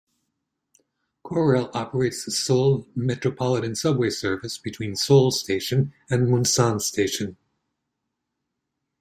Korail operates the Seoul Metropolitan Subway service between Seoul Station and Munsan Station.